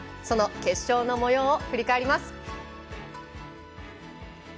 その決勝の模様を振り返ります。